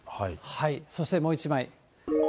そして、もう１枚。